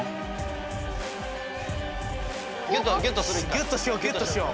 ギュッとしようギュッとしよう。